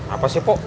apa sih pok